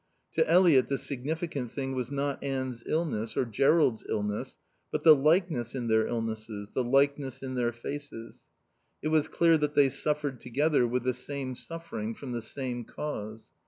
To Eliot the significant thing was not Anne's illness or Jerrold's illness but the likeness in their illnesses, the likeness in their faces. It was clear that they suffered together, with the same suffering, from the same cause.